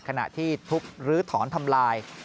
ขณะที่ทุกข์ลื้อถอนทำลาย